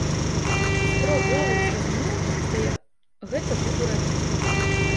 З трох главаў зразумеў, што я гэта буду рабіць.